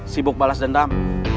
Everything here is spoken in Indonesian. sibuk balas dendam